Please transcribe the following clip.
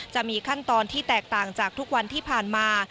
จะมีขั้นตอนที่แตกต่างจากทุกวันที่ผ่านมา